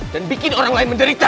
dan bikin orang lain menderita